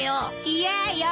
嫌よ。